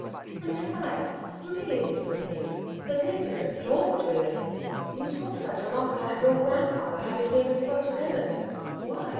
And besides, really Mr McKeith, there's no difference at all between us. You talk such a lot about YOUR grandfather having been a Scotch peasant. Why!